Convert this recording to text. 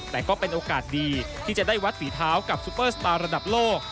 แต่ก็เป็นโอกาสดีที่จะได้วัดฝีเท้ากับซุปเปอร์สตาร์ระดับโลก